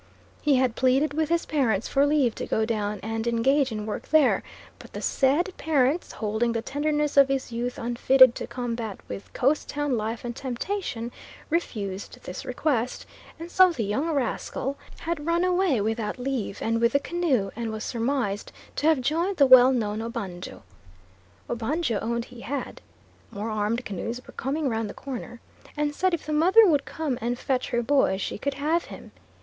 He had pleaded with his parents for leave to go down and engage in work there, but the said parents holding the tenderness of his youth unfitted to combat with Coast Town life and temptation, refused this request, and so the young rascal had run away without leave and with a canoe, and was surmised to have joined the well known Obanjo. Obanjo owned he had (more armed canoes were coming round the corner), and said if the mother would come and fetch her boy she could have him.